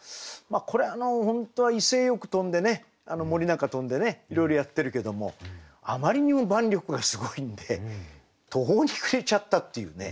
これ本当は威勢よく飛んでね森なんか飛んでねいろいろやってるけどもあまりにも万緑がすごいんで途方に暮れちゃったっていうね